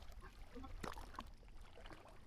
তারা দুজনে মিলে সেখানে ঐকতান-বাদকদল গঠন করেন।